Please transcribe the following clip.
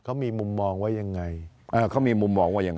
เขามีมุมมองว่ายังไงอ่าเขามีมุมมองว่าอย่าง